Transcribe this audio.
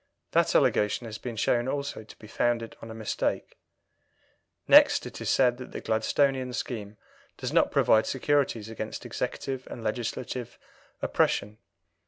That allegation has been shown also to be founded on a mistake. Next, it is said that the Gladstonian scheme does not provide securities against executive and legislative oppression.